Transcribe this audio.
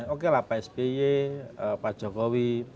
oke lah pak sby pak jokowi